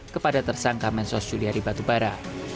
kepada tersangka mensos juliari batubara